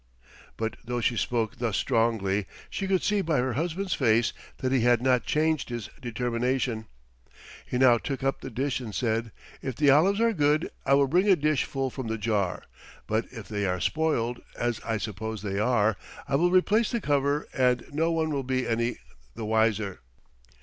But though she spoke thus strongly she could see by her husband's face that he had not changed his determination. He now took up the dish and said, "If the olives are good I will bring a dish full from the jar, but if they are spoiled, as I suppose they are, I will replace the cover and no one will be any the wiser."